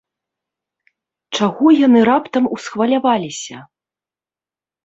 Чаго яны раптам усхваляваліся?